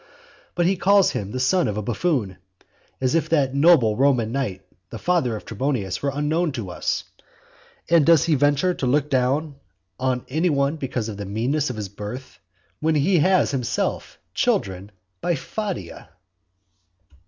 But he calls him the son of a buffoon. As if that noble Roman knight the father of Trebonius were unknown to us. And does he venture to look down on any one because of the meanness of his birth, when he has himself children by Fadia?